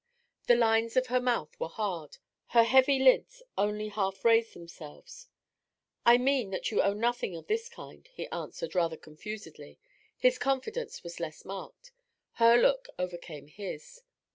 The lines of her mouth were hard; her heavy lids only half raised themselves. 'I mean that you owe nothing of this kind,' he answered, rather confusedly. His confidence was less marked; her look overcame his.